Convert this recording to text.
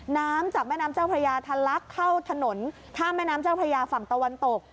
น้ำจากแม่น้ำเจ้าพระยาทะลักเข้าถนนข้ามแม่น้ำเจ้าพระยาฝั่งตะวันตก